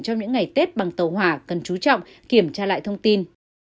trong những ngày tết bằng tàu hỏa cần chú trọng kiểm tra lại thông tin